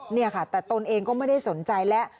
นี่ค่ะแต่ตนเองก็ไม่ได้สนใจแล้ว